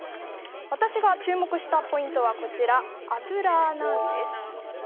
私が注目したポイントは油なんです。